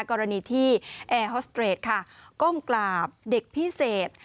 กรณีที่แอร์ฮอสเตรดค่ะก้มกราบเด็กพิเศษ